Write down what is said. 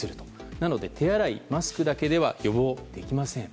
なので手洗い、マスクだけでは予防できません。